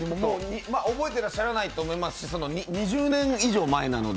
覚えてらっしゃらないと思います、２０年以上前なので。